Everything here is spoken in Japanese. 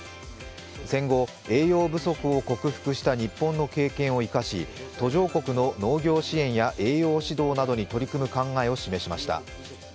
戦後、栄養不足を克服した日本の経験を生かし途上国の農業支援や栄養指導などに取り組む考えを示しました。